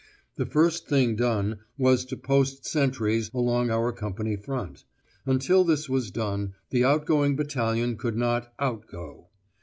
The first thing done was to post sentries along our company front: until this was done the outgoing battalion could not 'out go.